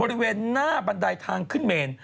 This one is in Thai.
บริเวณหน้าบันไดทางขึ้นเมน